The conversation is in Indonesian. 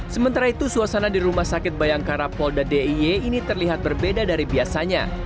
sementara itu suasana di rumah sakit bayangkara polda d i y ini terlihat berbeda dari biasanya